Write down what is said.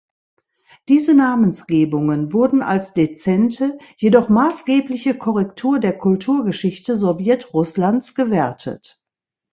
Diese Namensgebungen wurden als dezente, jedoch maßgebliche Korrektur der Kulturgeschichte Sowjetrusslands gewertet.